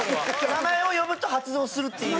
名前を呼ぶと発動するっていう。